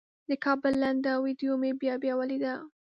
د کابل لنډه ویډیو مې بیا بیا ولیده.